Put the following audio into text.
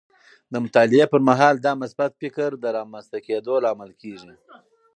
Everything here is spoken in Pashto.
د مطالعې پر مهال د مثبت فکر د رامنځته کیدو لامل کیږي.